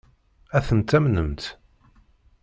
Ad tent-amnent?